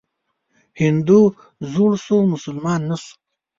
هندو زوړ شو مسلمان نه شو.